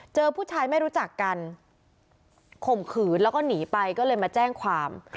เจอผู้ชายไม่รู้จักกันข่มขืนแล้วก็หนีไปก็เลยมาแจ้งความ